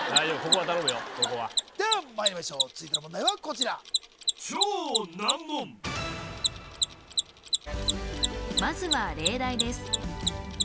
ここはではまいりましょう続いての問題はこちらまずは例題です